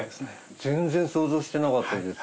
全然想像してなかったです。